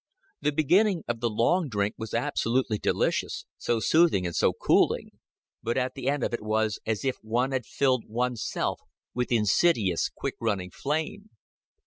The beginning of the long drink was absolutely delicious, so soothing and so cooling; but at the end of it was as if one had filled one's self with insidious quick running flame.